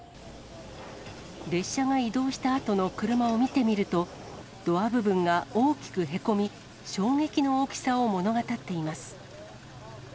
列車が移動したあとの車を見てみると、ドア部分が大きくへこみ、衝撃の大きさを物語っています。